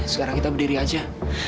sekarang kita berdiri aja